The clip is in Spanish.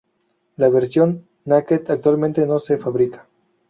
La versión naked actualmente no se fabrica.